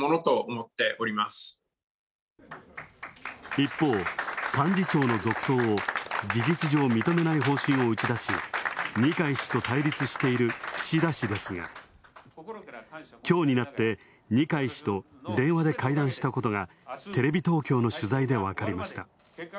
一方、幹事長の続投を事実上認めない方針を打ち出し二階氏と対立している岸田氏ですがきょうになって二階氏と電話で会談したことがテレビ東京の取材でわかりました。